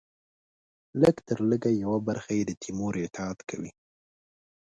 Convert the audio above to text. لږترلږه یوه برخه یې د تیمور اطاعت کوي.